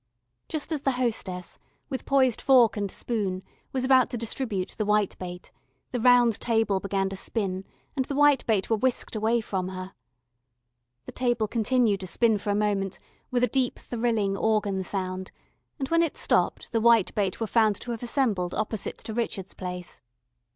Just as the hostess, with poised fork and spoon, was about to distribute the whitebait, the round table began to spin, and the whitebait were whisked away from her. The table continued to spin for a moment, with a deep thrilling organ sound, and when it stopped, the whitebait were found to have assembled opposite to Richard's place.